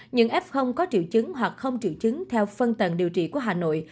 những f có triệu chứng hoặc không triệu chứng theo phân tầng điều trị của hà nội